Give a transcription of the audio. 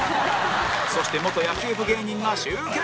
そして元野球部芸人が集結！